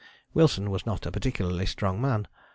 Wilson was not a particularly strong man.